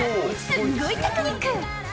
すごいテクニック！